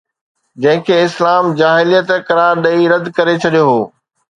جنهن کي اسلام جاهليت قرار ڏئي رد ڪري ڇڏيو هو.